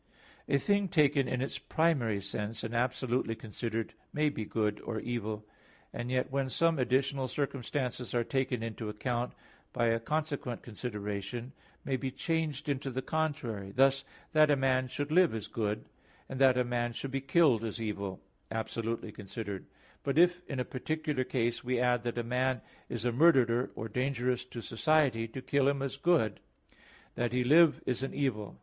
A thing taken in its primary sense, and absolutely considered, may be good or evil, and yet when some additional circumstances are taken into account, by a consequent consideration may be changed into the contrary. Thus that a man should live is good; and that a man should be killed is evil, absolutely considered. But if in a particular case we add that a man is a murderer or dangerous to society, to kill him is a good; that he live is an evil.